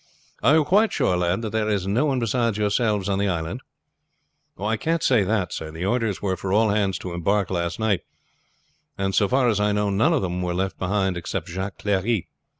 Are you quite sure, lad, that there is no one beside yourselves on the island?" "I can't say that, sir. The orders were for all hands to embark last night, and so far as I know none of them were left behind except Jacques Clery.